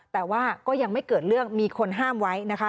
แต่ว่าก็ยังไม่เกิดเรื่องมีคนห้ามไว้นะคะ